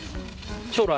将来？